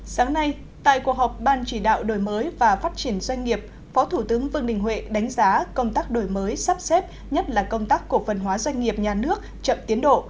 sáng nay tại cuộc họp ban chỉ đạo đổi mới và phát triển doanh nghiệp phó thủ tướng vương đình huệ đánh giá công tác đổi mới sắp xếp nhất là công tác cổ phần hóa doanh nghiệp nhà nước chậm tiến độ